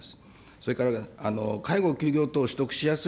それから、介護休業等取得しやす